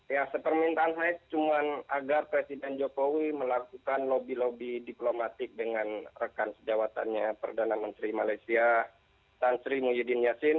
ya sepermintaan saya cuma agar presiden jokowi melakukan lobby lobby diplomatik dengan rekan sejawatannya perdana menteri malaysia tan sri muhyiddin yassin